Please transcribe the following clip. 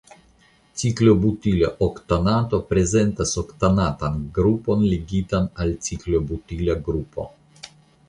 Ciklobutila oktanato prezentas oktanatan grupon ligitan al ciklobutila grupo.